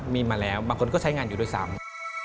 มีมาแล้วบางคนก็ใช้งานอยู่ด้วยซ้ำ